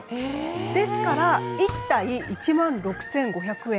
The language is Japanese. ですから１体１万６５００円。